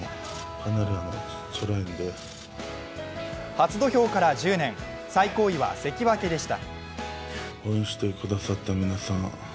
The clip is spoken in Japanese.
初土俵から１０年最高位は関脇でした。